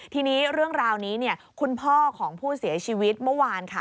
ทีนี้เรื่องราวนี้คุณพ่อของผู้เสียชีวิตเมื่อวานค่ะ